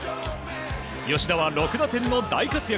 吉田は６打点の大活躍。